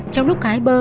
trong lúc hái bơ